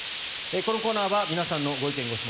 このコーナーは皆さんのご意見・ご質問